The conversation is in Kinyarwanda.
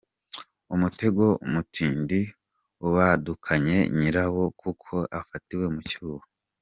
Umutego mutindi ubadukanye nyirawo kuko afatiwe mu cyuho.